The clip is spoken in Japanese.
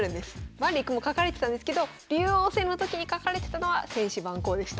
「万里一空」も書かれてたんですけど竜王戦の時に書かれてたのは「千思万考」でした。